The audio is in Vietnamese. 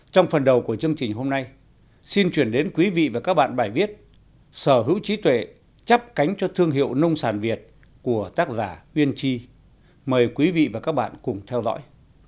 trong phần đầu của chương trình hôm nay xin chuyển đến quý vị và các bạn bài viết sở hữu trí tuệ chấp cánh cho thương hiệu nông sản việt của tác giả uyên chi mời quý vị và các bạn cùng theo dõi